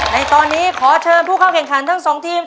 ในตอนนี้ขอเชิญผู้เข้าแข่งขันทั้งสองทีม